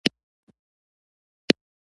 که څوک مالګه درسره وخوري، بیا خيانت نه کوي.